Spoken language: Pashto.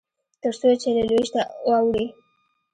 تر څو چې له لوېشته اوړي.